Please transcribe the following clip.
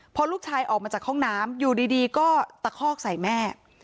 พอลูกชายออกมาจากห้องน้ำอยู่ดีก็ตะคอกใส่แม่